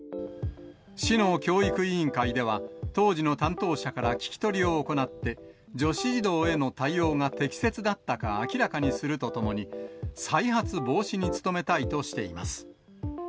市の教育委員会では、当時の担当者から聞き取りを行って、女子児童への対応が適切だったか明らかにするとともに、再発防止に努めたいとしています。